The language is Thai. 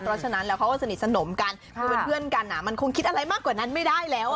เพราะฉะนั้นแล้วเขาก็สนิทสนมกันคือเป็นเพื่อนกันมันคงคิดอะไรมากกว่านั้นไม่ได้แล้ว